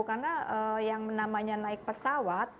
karena yang namanya naik pesawat